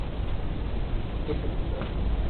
gutepane bila